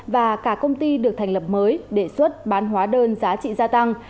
và cả công ty được thành lập mới để xuất bán hóa đơn giá trị gia tăng